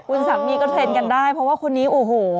คุณสามีก็เทรนด์กันได้เพราะว่าคนนี้โอ้โห